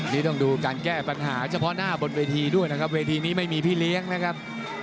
นี่ต้องดูการแก้ปัญหาเฉพาะหน้าบนเวทีด้วยนะครับเวทีนี้ไม่มีพี่เลี้ยงนะครับ